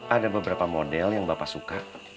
ada beberapa model yang bapak suka